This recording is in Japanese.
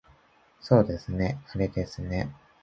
そうですねあれですね